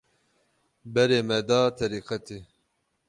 Berê me da terîqetê